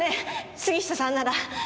杉下さんなら。